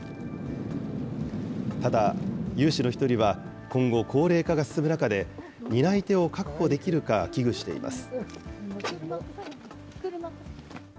ただ、有志の１人は、今後、高齢化が進む中で、担い手を確保できるか危惧しています。